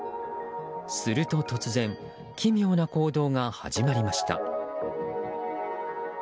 すると突然奇妙な行動が始まりました。